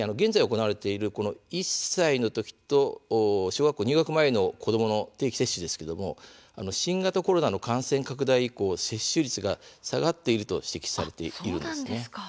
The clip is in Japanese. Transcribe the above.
さらに現在行われている１歳の時と小学校入学前の子どもの定期検診ですが新型コロナの感染拡大以降接種率が下がっていると指摘されています。